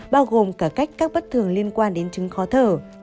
bao gồm cả cách các bất thường liên quan đến chứng minh